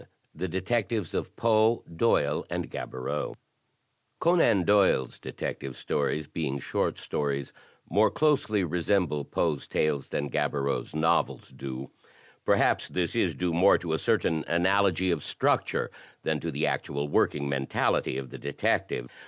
The Detectives of Poe^ Doyle ^ and Gaboriau Conan Doyle's Detective Stories, being short stories, more closely resemble Foe's tales than Gaboriau's novels do. Perhaps this is due more to a certain analogy of structure than to the actual working mentality of the detective.